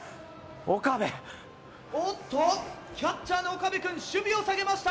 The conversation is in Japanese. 岡部おっとキャッチャーの岡部君守備を下げました